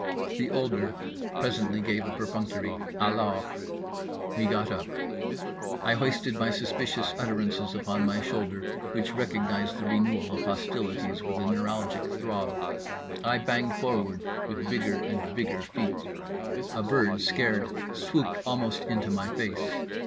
The older presently gave a perfunctory "alors"; we got up; I hoisted my suspicious utterances upon my shoulder, which recognized the renewal of hostilities with a neuralgic throb. I banged forward with bigger and bigger feet. A bird, scared, swooped almost into my face.